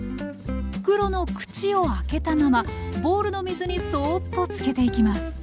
袋の口を開けたままボウルの水にそっとつけていきます